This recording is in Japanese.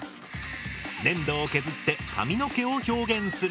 粘土を削って髪の毛を表現する。